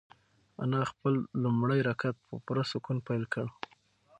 انا خپل لومړی رکعت په پوره سکون پیل کړ.